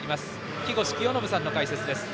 木越清信さんの解説です。